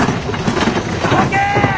どけ！